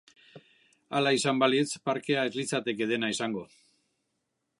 Hala izan balitz, parkea ez litzateke dena izango.